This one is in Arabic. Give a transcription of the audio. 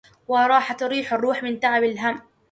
وراح تريح الروح من تعب الهم